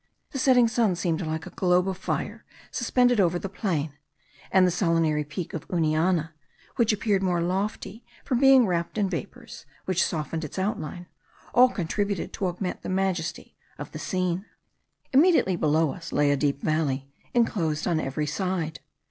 The setting sun seemed like a globe of fire suspended over the plain, and the solitary Peak of Uniana, which appeared more lofty from being wrapped in vapours which softened its outline, all contributed to augment the majesty of the scene. Immediately below us lay a deep valley, enclosed on every side.